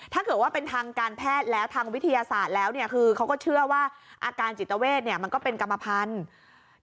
ถ้าเกิดว่าเป็นทางการแพทย์แล้วทางวิทยาศาสตร์แล้วเนี่ยคือเขาก็เชื่อว่าอาการจิตเวทมันก็เป็นกรรมพันธุ์